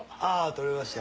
とれました？